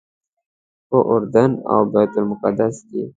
په اردن او بیت المقدس کې.